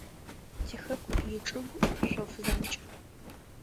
Тихэку ичӏыгу – шъоф занкӏ.